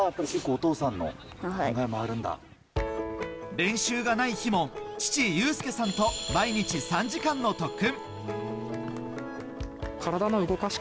練習がない日も父・裕亮さんと毎日３時間の特訓。